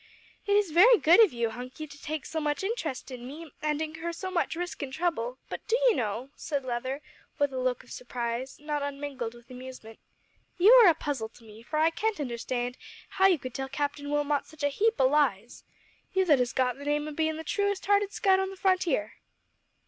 "It is very good of you, Hunky, to take so much interest in me, and incur so much risk and trouble; but do you know," said Leather, with a look of surprise, not unmingled with amusement, "you are a puzzle to me, for I can't understand how you could tell Captain Wilmot such a heap o' lies you that has got the name of bein' the truest hearted scout on the frontier!"